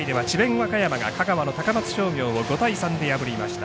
和歌山が香川の高松商業を５対３で破りました。